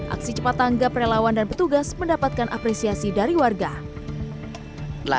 aksi cepat tanggap relawan dan petugas mendapatkan apresiasi dari warga